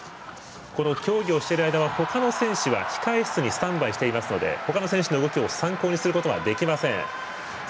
競技をしている間は他の選手は控え室にスタンバイしていますので他の選手の動きを参考にすることはできません。